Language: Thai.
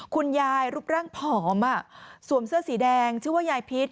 คุณยายรูปร่างผอมสวมเสื้อสีแดงชื่อว่ายายพิษ